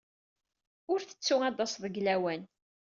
Ur ttettu ad d-taseḍ deg lawan.